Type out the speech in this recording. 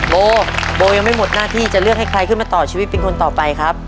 โบโบยังไม่หมดหน้าที่จะเลือกให้ใครขึ้นมาต่อชีวิตเป็นคนต่อไปครับ